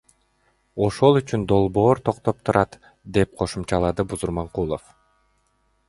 Ошол үчүн долбоор токтоп турат, — деп кошумчалады Бузурманкулов.